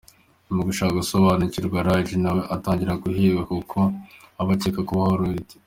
Mu gushaka gusobanukirwa, Raj nawe atangira guhigwa kuko aba akekwaho kuba Rohit.